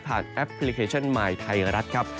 แอปพลิเคชันมายไทยรัฐครับ